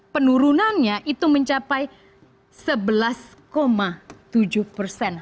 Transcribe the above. penurunannya itu mencapai sebelas tujuh persen